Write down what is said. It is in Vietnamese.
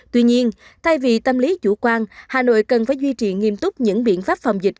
tuy nhiên thay vì tâm lý chủ quan hà nội cần phải duy trì nghiêm túc những biện pháp phòng dịch